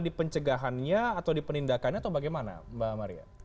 di pencegahannya atau di penindakannya atau bagaimana mbak maria